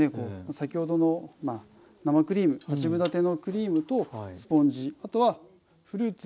先ほどの生クリーム八分立てのクリームとスポンジあとはフルーツ。